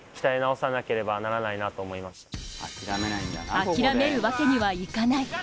諦めるわけにはいかない。